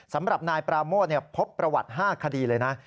สำหรับนายปราโมทพบประวัติ๕คดีเลยนะ